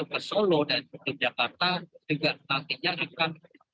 ke solo dan yogyakarta juga nantinya akan